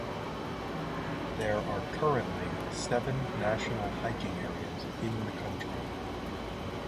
There are currently seven national hiking areas in the country.